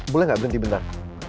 boleh gak berhenti bentar